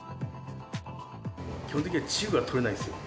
基本的には稚魚が取れないですよ。